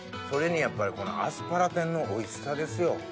それにやっぱりこのアスパラ天のおいしさですよ。